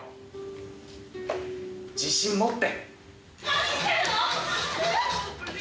自信持って。